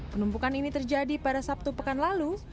penumpukan ini terjadi pada sabtu pekan lalu